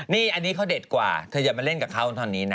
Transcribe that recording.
นี่อันนี้เค้าเด็ดกว่าเธอจะไปเล่นกับเค้าตอนนี้นะ